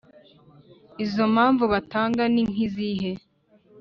Izo mpamvu batanga ni nk’izihe?